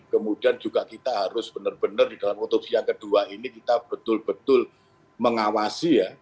kemudian juga kita harus benar benar di dalam otopsi yang kedua ini kita betul betul mengawasi ya